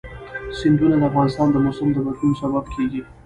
سیندونه د افغانستان د موسم د بدلون سبب کېږي.